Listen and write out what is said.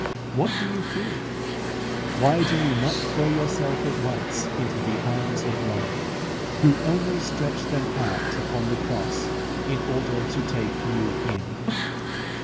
What do you fear? Why do you not throw yourself at once into the arms of Love, who only stretched them out upon the cross in order to take you in?